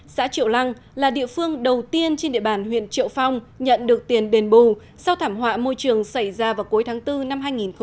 xã triệu lăng là địa phương đầu tiên trên địa bàn huyện triệu phong nhận được tiền đền bù sau thảm họa môi trường xảy ra vào cuối tháng bốn năm hai nghìn một mươi tám